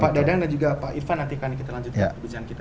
bapak dadang dan juga pak irfan nanti kami lanjutkan perbujuan kita